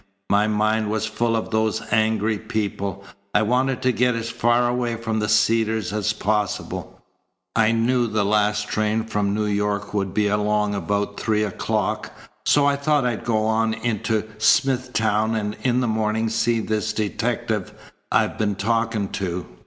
My mind was full of those angry people. I wanted to get as far away from the Cedars as possible. I knew the last train from New York would be along about three o'clock, so I thought I'd go on into Smithtown and in the morning see this detective I'd been talking to.